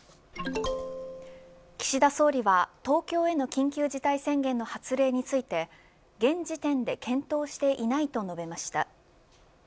岸田総理は東京への緊急事態宣言の発令について現時点で検討していないと述べました。